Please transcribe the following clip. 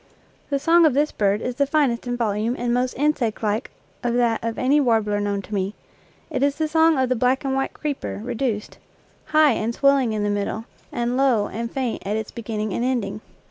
The song of this bird is the finest in volume and most insectlike of that of any warbler known to me. It is the song of the black and white creeper reduced, high and swelling in the middle and low and faint 71 NATURE LEAVES at its beginning and ending.